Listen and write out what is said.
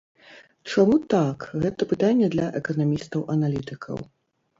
Чаму так, гэта пытанне для эканамістаў-аналітыкаў.